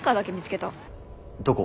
どこ？